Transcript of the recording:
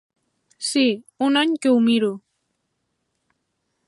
Sí, un any que ho miro.